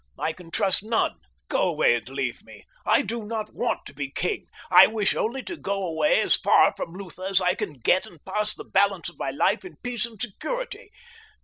I can trust none. "Go away and leave me. I do not want to be king. I wish only to go away as far from Lutha as I can get and pass the balance of my life in peace and security.